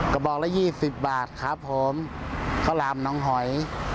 กระบอกละ๒๐บาทครับผมข้าวหลามน้องหอย